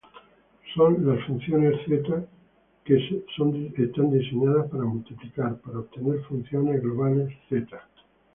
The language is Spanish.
Son las funciones Z que son diseñadas para multiplicar, para obtener funciones globales zeta.